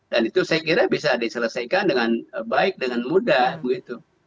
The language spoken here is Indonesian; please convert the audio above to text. dan itu saya kira bisa diselesaikan dengan baik dengan mudah begitu